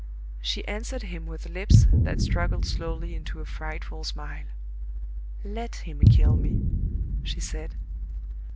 She answered him with lips that struggled slowly into a frightful smile. "Let him kill me," she said.